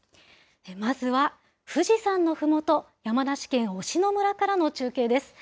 まずは富士山のふもと、山梨県忍野村からの中継です。